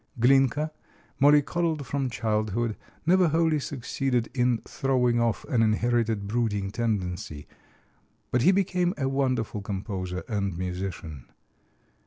Glinka, mollycoddled from childhood, never wholly succeeded in throwing off an inherited brooding tendency; but he became a wonderful composer and musician.